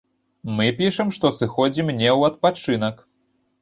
Мы пішам, што сыходзім не ў адпачынак!